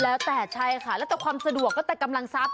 แล้วแต่ใช่ค่ะแล้วแต่ความสะดวกก็แต่กำลังทรัพย